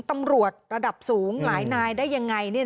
ตำรวจระดับสูงหลายนายได้ยังไง